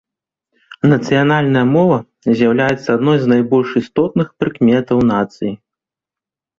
Нацыянальная мова з'яўляецца адной з найбольш істотных прыкметаў нацыі.